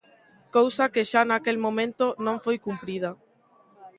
Cousa que xa naquel momento non foi cumprida.